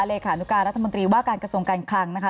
เลขานุการรัฐมนตรีว่าการกระทรวงการคลังนะคะ